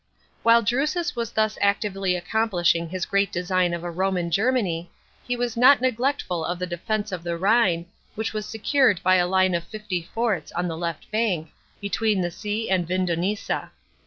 While Drusus was thus actively accomplishing his great design of a Roman Germany, he was not neglectful of the defence of the Rhine, which was secured by a line of fifty forts on the left bank, between the sea and Vindonissa.